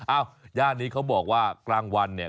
ย่านนี้เขาบอกว่ากลางวันเนี่ย